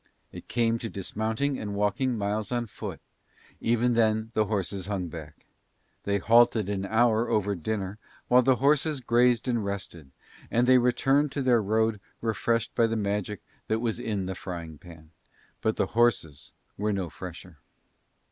It came to dismounting and walking miles on foot; even then the horses hung back. They halted an hour over dinner while the horses grazed and rested, and they returned to their road refreshed by the magic that was in the frying pan, but the horses were no fresher.